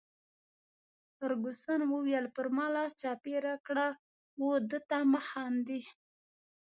فرګوسن وویل: پر ما لاس چاپیره کړه، وه ده ته مه خاندي.